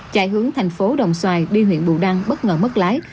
chạy hướng thành phố đồng xoài đi huyện bù đăng bất ngờ mất lái